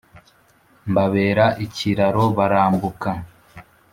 Mbabera ikiraro barambuka,